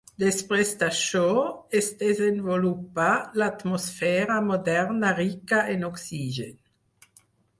Després d'això, es desenvolupà l'atmosfera moderna rica en oxigen.